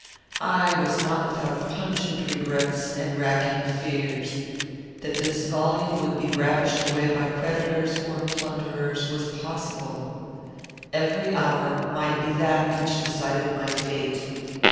"I was not without pungent regrets and racking fears. That this volume would be ravished away by creditors or plunderers was possible. Every hour might be that which decided my fate.